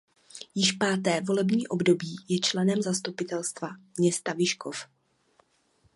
Již páté volební období je členem zastupitelstva města Vyškov.